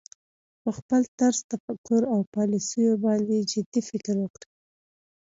په خپل طرز تفکر او پالیسیو باندې جدي فکر وکړي